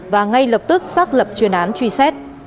và ngay lập tức xác lập chuyên án truy xét